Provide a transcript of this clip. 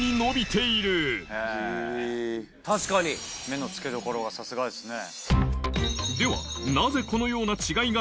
目の付けどころはさすがですね。